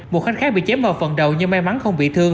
một khanh khác bị chém vào phần đầu nhưng may mắn không bị thương